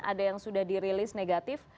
ada yang sudah dirilis negatif